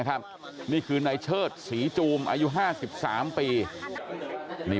กลับไปนิดหนึ่งไปออก